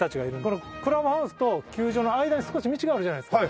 このクラブハウスと球場の間に少し道があるじゃないですか。